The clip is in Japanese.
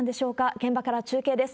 現場から中継です。